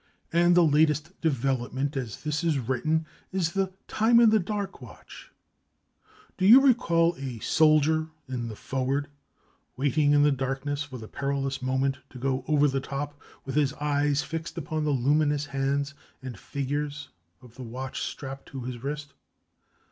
And the latest development as this is written is the time in the dark watch. Do you recall a soldier in the "foreword" waiting in the darkness for the perilous moment to go "over the top" with his eyes fixed upon the luminous hands and figures of the watch strapped to his wrist?